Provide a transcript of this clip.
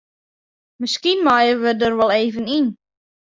Miskien meie we der wol even yn.